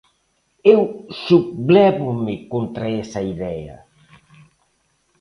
Eu sublévome contra esa idea.